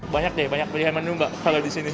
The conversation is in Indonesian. banyak deh banyak pilihan menu mbak kalau di sini